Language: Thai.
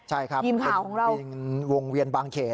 ใช่ครับวินวงเวียนบางเขน